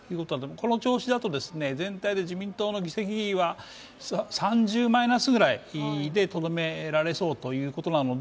この調子だと全体で自民党の議席は３０マイナスくらいでとどめられそうということなので、